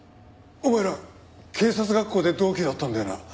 お前ら警察学校で同期だったんだよな？